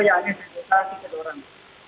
yaitu di kampasan jokowi